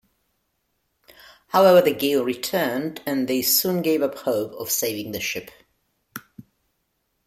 However the gale returned and they soon gave up hope of saving the ship.